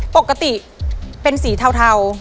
ปกติเป็นสีเทา